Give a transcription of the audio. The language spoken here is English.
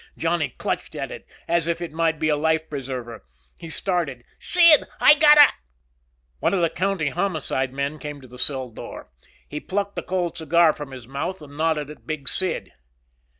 Johnny clutched at it as if it might be a life preserver. He started: "Sid, I got a " One of the County Homicide men came to the cell door. He plucked the cold cigar from his mouth and nodded at Big Sid.